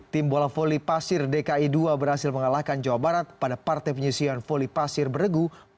tim bola voli pasir dki dua berhasil mengalahkan jawa barat pada partai penyusian voli pasir beregu pon ke sembilan belas di bandung